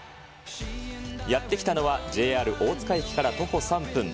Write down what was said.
やって来たのは、ＪＲ大塚駅から徒歩３分。